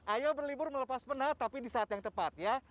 ayo berlibur melepas penat tapi di saat yang tepat ya